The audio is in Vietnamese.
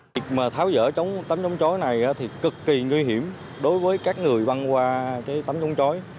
việc mà tháo dỡ tấm chống chói này thì cực kỳ nguy hiểm đối với các người băng qua tấm chống chói